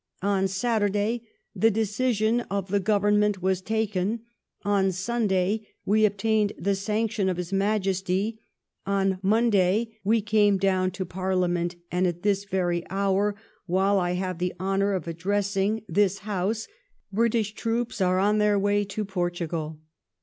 On Saturday the de cision of the Government was taken, on Sunday we obtained the sanction of His Majesty, on Monday we came down to Parliament, and at this very hour, while I have the honour of addressing this ^i House, British troops are on their way to Portugal.